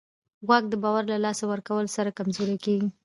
واک د باور له لاسه ورکولو سره کمزوری کېږي.